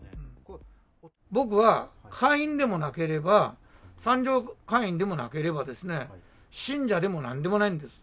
僕は会員でもなければ、賛助会員でもなければ、信者でもなんでもないんです。